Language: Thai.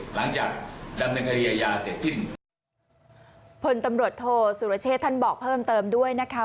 หลังจากดำเนินคดีอย่าเสียสิ้นผลตำรวจโทสุรเชษฐานบอกเพิ่มเติมด้วยนะคะ